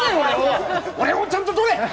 俺もちゃんと撮れ！